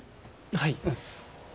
はい。